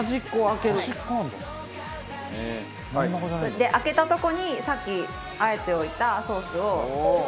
で空けたとこにさっき和えておいたソースを入れます。